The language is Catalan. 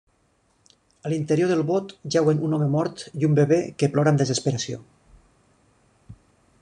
A l'interior del bot jeuen un home mort i un bebè que plora amb desesperació.